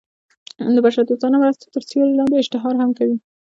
د بشر دوستانه مرستو تر سیورې لاندې اشتهار هم کوي.